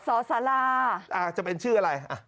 สอสาราจะเป็นชื่ออะไร